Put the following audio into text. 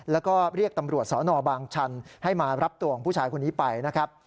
แล้วก็เรียกตำรวจสนบางชันให้มารับตัวของผู้ชายคนนี้ไปนะครับ